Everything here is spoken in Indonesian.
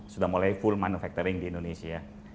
sudah mulai full manufacturing di indonesia